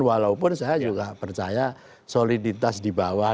walaupun saya juga percaya soliditas di bawah